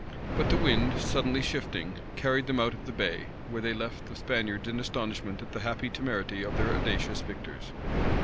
But the wind, suddenly shifting, carried them out of the bay; where they left the Spaniards in astonishment at the happy temerity of their audacious victors.